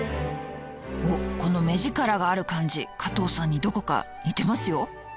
おっこの目力がある感じ加藤さんにどこか似てますよ。